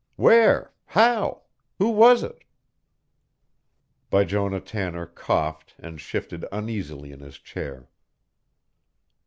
"Where? How? Who was it?" Bijonah Tanner coughed and shifted uneasily in his chair.